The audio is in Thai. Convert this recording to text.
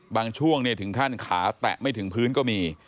บางช่วงถึงขั้นขาแตะไม่ถึงพื้นก็มี